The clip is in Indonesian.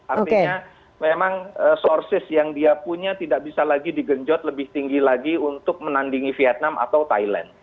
artinya memang sources yang dia punya tidak bisa lagi digenjot lebih tinggi lagi untuk menandingi vietnam atau thailand